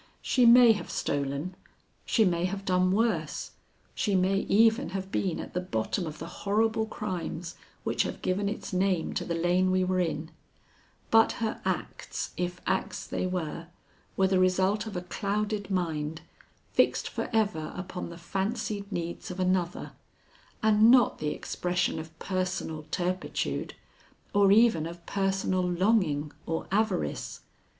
She may have stolen, she may have done worse, she may even have been at the bottom of the horrible crimes which have given its name to the lane we were in, but her acts, if acts they were, were the result of a clouded mind fixed forever upon the fancied needs of another, and not the expression of personal turpitude or even of personal longing or avarice.